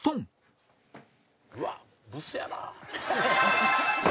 「うわっブスやなあ」